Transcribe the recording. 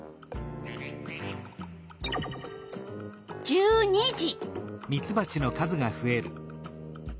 １２時。